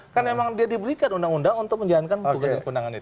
karena memang dia diberikan undang undang untuk menjalankan tugas dan kewenangan itu